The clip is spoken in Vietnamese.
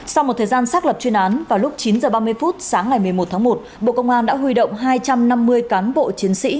sau một thời gian xác lập chuyên án vào lúc chín h ba mươi phút sáng ngày một mươi một tháng một bộ công an đã huy động hai trăm năm mươi cán bộ chiến sĩ